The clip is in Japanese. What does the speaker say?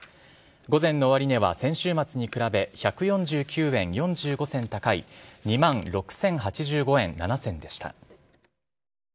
午前の終値は先週末に比べ１４９円４５銭高い、２万６０８５円７銭でした。